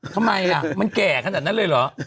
ทำไมมันแก่ขนาดนั้นเลยเหรอ